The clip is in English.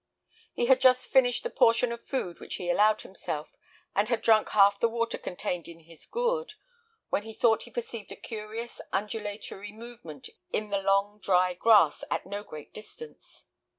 He had just finished the portion of food which he allowed himself, and had drunk half the water contained in his gourd, when he thought he perceived a curious undulatory movement in the long dry grass at no great distance.